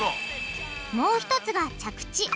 もう一つが着地。